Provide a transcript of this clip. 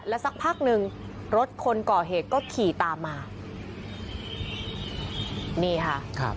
สักพักหนึ่งรถคนก่อเหตุก็ขี่ตามมานี่ค่ะครับ